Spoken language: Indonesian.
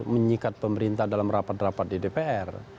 menyikat pemerintah dalam rapat rapat di dpr